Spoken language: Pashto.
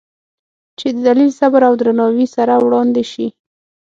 چې د دلیل، صبر او درناوي سره وړاندې شي،